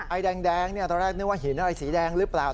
ไอแดงตอนแรกนึกว่าหินอะไรสีแดงหรือเปล่า